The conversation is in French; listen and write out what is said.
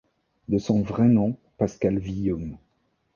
De son vrai nom Pascal Villaume.